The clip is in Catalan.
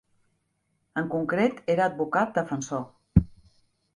En concret era advocat defensor.